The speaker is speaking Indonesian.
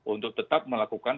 untuk tetap melakukan